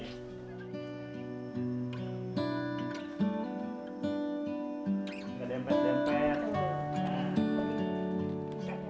pada saat ini gila sudah berusaha menghasilkan perusahaan untuk menjaga kepentingan dan keuntungan di rumah